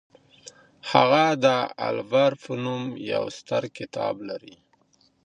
هغه د العبر په نوم يو ستر کتاب لري.